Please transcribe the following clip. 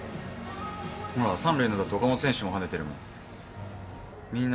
ほら、３塁の岡本選手もはねてるもん。